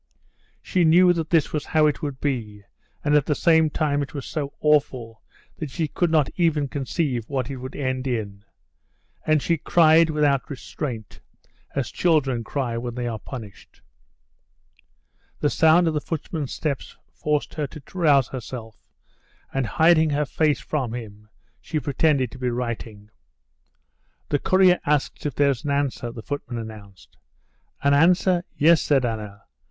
She knew that this was how it would be, and at the same time it was so awful that she could not even conceive what it would end in. And she cried without restraint, as children cry when they are punished. The sound of the footman's steps forced her to rouse herself, and, hiding her face from him, she pretended to be writing. "The courier asks if there's an answer," the footman announced. "An answer? Yes," said Anna.